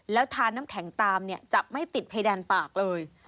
แล้วทานน้ำแข็งตามเนี่ยจะไม่ติดเพดานปากเลย